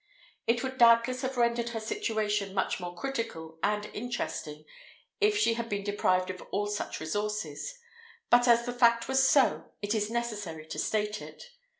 It would doubtless have rendered her situation much more critical and interesting if she had been deprived of all such resources; but as the fact was so, it is necessary to state it.